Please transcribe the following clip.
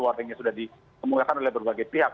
warningnya sudah dikemulakan oleh berbagai pihak